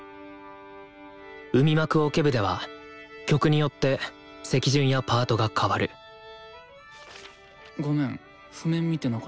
海幕オケ部では曲によって席順やパートが変わるごめん譜面見てなかった。